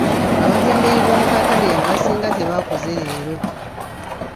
Abatembeeyi b'omu katale abasinga tebaakoze leero.